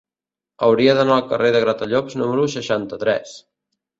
Hauria d'anar al carrer de Gratallops número seixanta-tres.